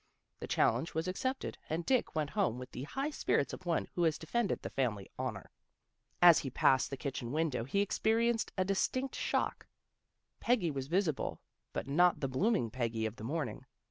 The challenge was accepted, and Dick went home with the high spirits of one who has de fended the family honor. As he passed the kitchen window he experienced a distinct shock. Peggy was visible, but not the bloom ing Peggy of the morning.